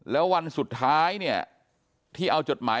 แล้ววันสุดท้ายเนี่ยที่เอาจดหมาย